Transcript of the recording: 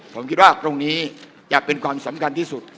ผมคิดว่าตรงนี้จะเป็นความสำคัญที่สุด